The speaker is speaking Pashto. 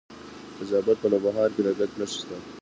د زابل په نوبهار کې د ګچ نښې شته.